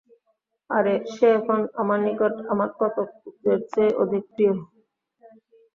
আর সে এখন আমার নিকট আমার কতক পুত্রের চেয়ে অধিক প্রিয়।